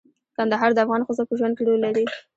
کندهار د افغان ښځو په ژوند کې رول لري.